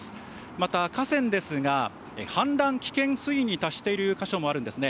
また、河川ですが、氾濫危険水位に達している箇所もあるんですね。